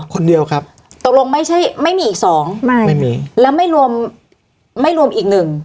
คนเดียวครับตกลงไม่ใช่ไม่มีอีกสองไม่ไม่มีแล้วไม่รวมไม่รวมอีกหนึ่ง